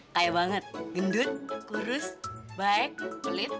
kaya banget gendut kurus baik kulit